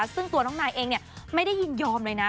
ซึ่งตัวน้องนายเองไม่ได้ยินยอมเลยนะ